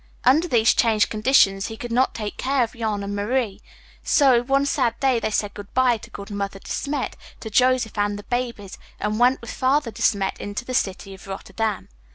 Under these changed conditions he could not take care of Jan and Marie, so one sad day they said good bye to good Mother De Smet, to Joseph and the babies, and went with Father De Smet into the city of Rotterdam.